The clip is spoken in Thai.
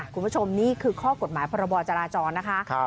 คุณผู้ชมนี่คือข้อกฎหมายพรบจราจรนะคะ